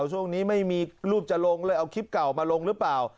ช่วงนี้ไม่มีรูปจะลงเลยเอาคลิปเก่ามาลงหรือเปล่า